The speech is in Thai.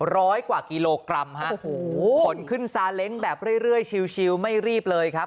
ร้อยกว่ากิโลกรัมฮะโอ้โหขนขึ้นซาเล้งแบบเรื่อยเรื่อยชิวไม่รีบเลยครับ